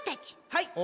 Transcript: はい！